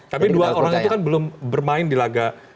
tapi dua orang itu kan belum bermain di laga